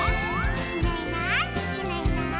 「いないいないいないいない」